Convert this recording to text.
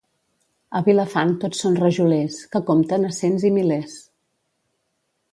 A Vilafant tots són rajolers, que compten a cents i milers.